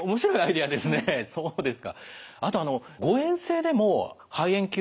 ああそうですか。